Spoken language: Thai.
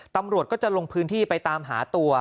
ตำรวจก็จะลงพื้นที่ไปตามหาตัว